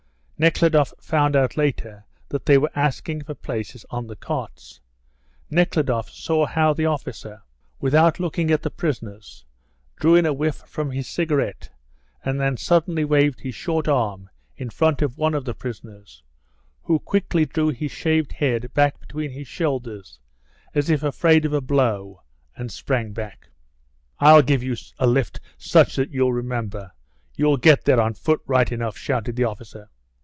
Nekhludoff found out later that they were asking for places on the carts. Nekhludoff saw how the officer, without looking at the prisoners, drew in a whiff from his cigarette, and then suddenly waved his short arm in front of one of the prisoners, who quickly drew his shaved head back between his shoulders as if afraid of a blow, and sprang back. "I will give you a lift such that you'll remember. You'll get there on foot right enough," shouted the officer.